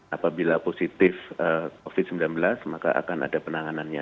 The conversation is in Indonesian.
apabila positif covid sembilan belas maka akan ada penanganannya